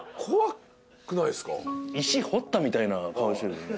石彫ったみたいな顔してるよね。